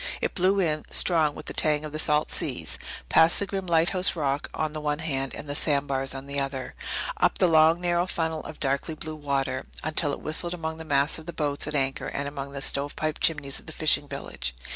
It blew in, strong with the tang of the salt seas, past the grim lighthouse rock on the one hand and the sandbars on the other, up the long, narrow funnel of darkly blue water, until it whistled among the masts of the boats at anchor and among the stovepipe chimneys of the fishing village.